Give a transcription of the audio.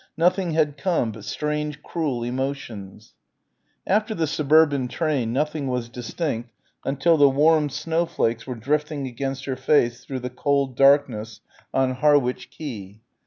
Nothing had come but strange cruel emotions. After the suburban train nothing was distinct until the warm snowflakes were drifting against her face through the cold darkness on Harwich quay.